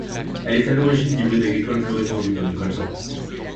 Elle est à l'origine d'hybrides agricoles plus répandus comme le colza.